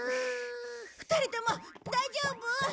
２人とも大丈夫！？